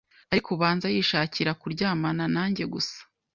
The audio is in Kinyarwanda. ariko ubanza yishakira kuryamana najye gusa